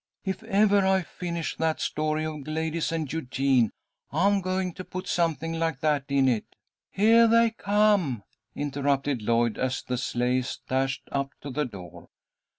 If ever I finish that story of Gladys and Eugene, I'm going to put something like that in it." "Heah they come," interrupted Lloyd, as the sleighs dashed up to the door.